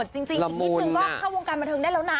จริงอีกนิดนึงก็เข้าวงการบันเทิงได้แล้วนะ